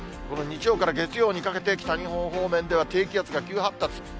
この日曜から月曜にかけて、北日本方面では低気圧が急発達。